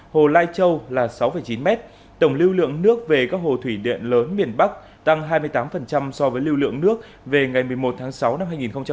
hồ lai châu là sáu chín mét tổng lưu lượng nước về các hồ thủy điện lớn miền bắc tăng hai mươi tám so với lưu lượng nước về ngày một mươi một tháng sáu năm hai nghìn hai mươi